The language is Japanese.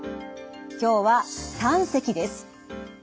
今日は胆石です。